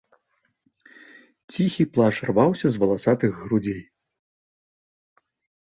Ціхі плач рваўся з валасатых грудзей.